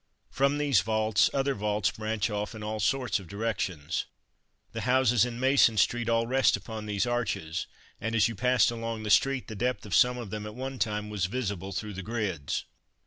From these vaults, other vaults branch off in all sorts of directions. The houses in Mason street all rest upon these arches; and as you passed along the street, the depth of some of them at one time was visible through the grids.